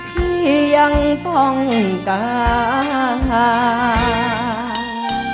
พี่ยังต้องการ